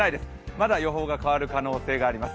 まだ予報が変わる可能性があります。